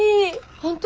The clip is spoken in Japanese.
本当？